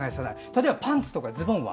例えば、パンツとかズボンは？